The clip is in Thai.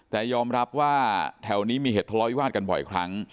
แต่ยอมรับว่าแถวนี้มีเหตุทะเลาวิวาสกันบ่อยครั้ง